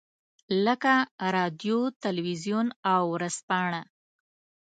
لکه رادیو، تلویزیون او ورځپاڼه.